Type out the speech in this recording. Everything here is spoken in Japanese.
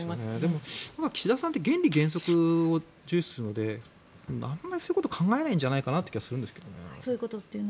でも岸田さんって原理原則を重視するのであまりそういうことを考えないと思うんですけどね。